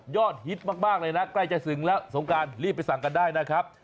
ฮิตมากเลยนะใกล้จะถึงแล้วสงการรีบไปสั่งกันได้นะครับ